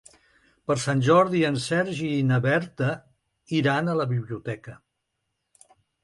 Per Sant Jordi en Sergi i na Berta iran a la biblioteca.